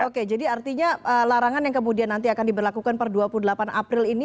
oke jadi artinya larangan yang kemudian nanti akan diberlakukan per dua puluh delapan april ini